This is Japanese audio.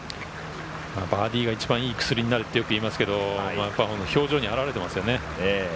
バーディーが一番いい薬になるって言いますけど、やっぱり表情に表れていますね。